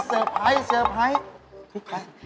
เอา่ยเซอร์ไพรต์